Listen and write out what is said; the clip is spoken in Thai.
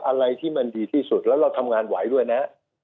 อะไรที่มันดีที่สุดแล้วเราทำงานไหวด้วยนะ